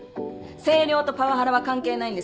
声量とパワハラは関係ないんです。